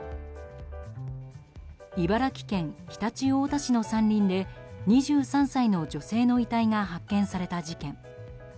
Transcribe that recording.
茨城県常陸太田市の山林で２３歳の女性の遺体が発見された事件。